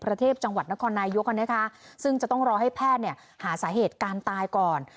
เทพจังหวัดนครนายกนะคะซึ่งจะต้องรอให้แพทย์เนี่ยหาสาเหตุการตายก่อน